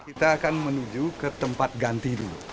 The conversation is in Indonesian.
kita akan menuju ke tempat ganti dulu